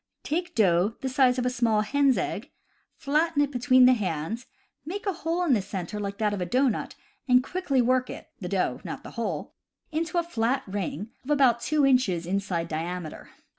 Take dough the size of a small hen's egg, flatten it CAMP COOKERY 127 between the hands, make a hole in the eenler Hke that of a doughnut, and quickly work it (the dough, not the hole) into a flat ring of about two inches inside diameter.